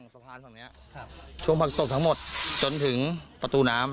สะพานตรงเนี้ยครับช่วงผักตบทั้งหมดจนถึงประตูน้ำ